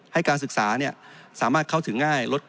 ให้การศึกษาสามารถเข้าถึงง่าย